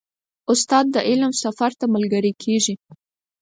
استاد د علم سفر ته ملګری کېږي.